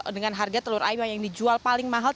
dengan harga telur ayam yang dijual paling mahal rp tiga puluh